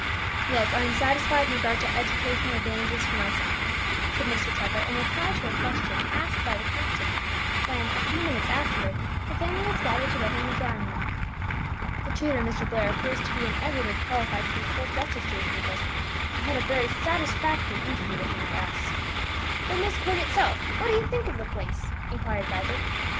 "Yes, I am satisfied in regard to educational advantages for my sons," said Mr. Trevor, in reply to a question asked by the captain, when, a few minutes afterwards, the family were gathered together in the drawing room. "The tutor, Mr. Blair, appears to be in every way qualified to do full justice to his pupils; I had a very satisfactory interview with him at S ." "But Myst Court itself, what do you think of the place?" inquired Vibert.